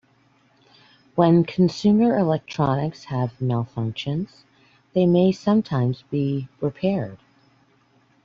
When consumer electronics have malfunctions, they may sometimes be repaired.